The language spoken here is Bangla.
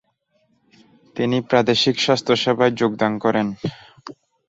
তিনি প্রাদেশিক স্বাস্থ্যসেবায় যোগদান করেন।